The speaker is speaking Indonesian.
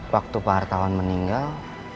waktu pak artawan meninggal